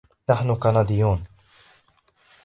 نحن كنديون.